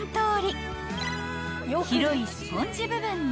［広いスポンジ部分で］